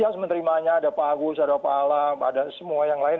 yang pasang pasang yangculo dahulu itu hopefully tahun kemudian bisa itu tenggelam